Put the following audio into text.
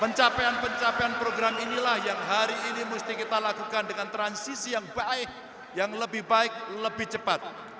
pencapaian pencapaian program inilah yang hari ini mesti kita lakukan dengan transisi yang baik yang lebih baik lebih cepat